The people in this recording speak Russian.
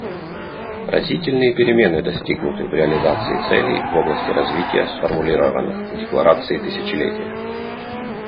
Разительные перемены достигнуты в реализации целей в области развития, сформулированных в Декларации тысячелетия.